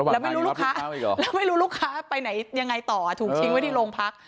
แล้วไม่รู้ลูกค้าไปไหนยังไงต่อถูกทิ้งไว้ที่โรงพัก